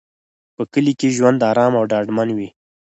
په کلي کې ژوند ارام او ډاډمن وي.